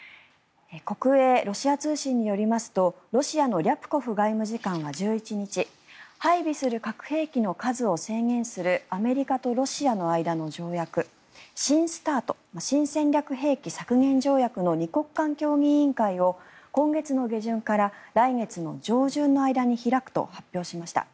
国営ロシア通信によりますとロシアのリャプコフ外務次官は１１日配備する核兵器の数を制限するアメリカとロシアの間の条約新ＳＴＡＲＴ・新戦略兵器削減条約の２国間協議委員会を今月の下旬から来月の上旬の間に開くと発表しました。